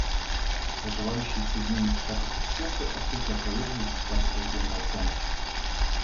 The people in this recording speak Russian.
Проживающие в Соединенных Штатах эксперты открыто опровергли результаты проведенной оценки.